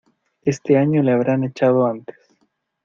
Este año le habrán echado antes.